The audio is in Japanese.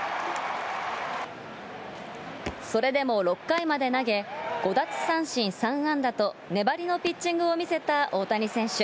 それでも６回まで投げ、５奪三振３安打と、粘りのピッチングを見せた大谷選手。